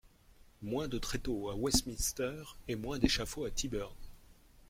Moins de tréteaux à Westminster et moins d’échafauds à Tyburn !